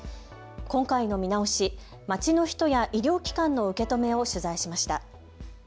今回の見直し、街の人や医療機関の受け止めを取材しました。